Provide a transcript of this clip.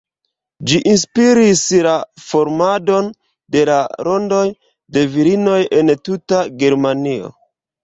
Ĝi inspiris la formadon de la rondoj de virinoj en tuta Germanio.